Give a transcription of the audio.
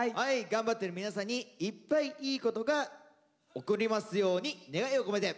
頑張ってる皆さんにいっぱいいいことが起こりますように願いを込めて。